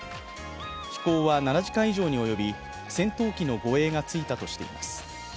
飛行は７時間以上に及び、戦闘機の護衛がついたとしています。